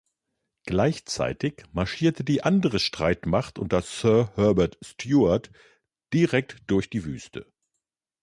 Gleichzeitig marschierte die andere Streitmacht unter Sir Herbert Stewart direkt durch die Wüste.